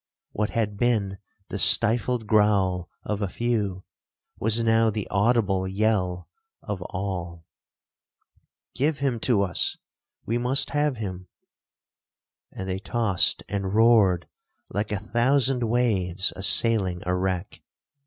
What had been the stifled growl of a few, was now the audible yell of all—'Give him to us—we must have him;' and they tossed and roared like a thousand waves assailing a wreck.